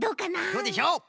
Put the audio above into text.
どうでしょう？